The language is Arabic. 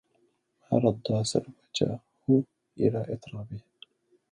ما رد سلوته إلى إطرابه